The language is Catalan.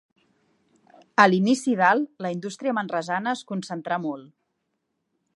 A l'inici del, la indústria manresana es concentrà molt.